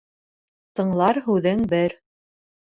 Тыңлар һүҙең бер.